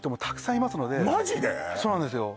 そうなんですよ